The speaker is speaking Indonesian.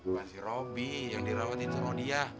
bukan si robi yang dirawatin seroh dia